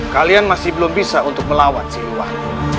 kalian masih belum bisa untuk melawat siliwani